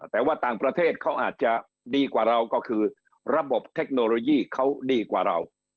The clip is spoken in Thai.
แต่ว่าต่างประเทศเขาอาจจะดีกว่าเราก็คือระบบเทคโนโลยีเขาดีกว่าเรา